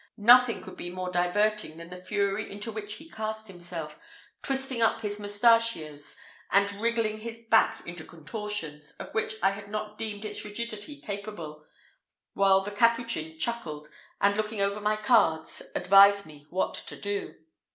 Nothing could be more diverting than the fury into which he cast himself, twisting up his mustachios, and wriggling his back into contortions, of which I had not deemed its rigidity capable, while the Capuchin chuckled, and, looking over my cards, advised me what to do.